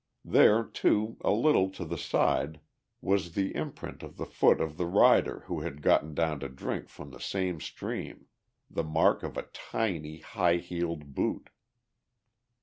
There, too, a little to the side was the imprint of the foot of the rider who had gotten down to drink from the same stream, the mark of a tiny, high heeled boot.